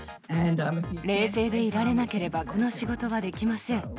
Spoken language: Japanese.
冷静でいられなければ、この仕事はできません。